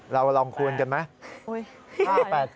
เราลองคูณกันไหม